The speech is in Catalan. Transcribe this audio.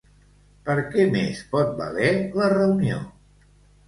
Per què més pot valer la reunió?